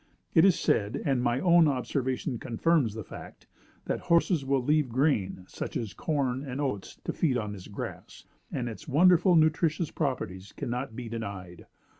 It is said, and my own observation confirms the fact, that horses will leave grain, such as corn and oats, to feed on this grass; and its wonderful nutritious properties cannot be denied.